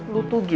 lu tuh dia